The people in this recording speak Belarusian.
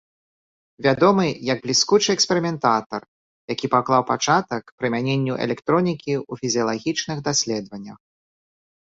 Вядомы як бліскучы эксперыментатар, які паклаў пачатак прымяненню электронікі ў фізіялагічных даследаваннях.